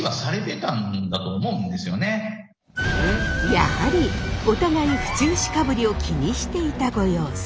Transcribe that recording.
やはりお互い府中市かぶりを気にしていたご様子。